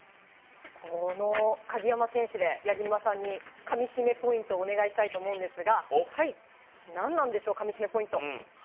この鍵山選手で八木沼さんにかみしめポイントお願いしたいと思うんですがなんなんでしょうかみしめポイント。